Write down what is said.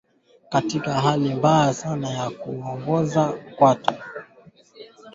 Katika hali mbaya sana ya kuoza kwato